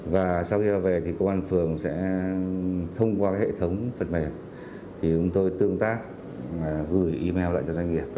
và sau khi về thì công an phường sẽ thông qua hệ thống phần mềm thì chúng tôi tương tác và gửi email lại cho doanh nghiệp